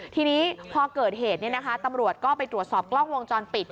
ทีนี้พอเกิดเหตุตำรวจก็ไปตรวจสอบกล้องวงจรปิด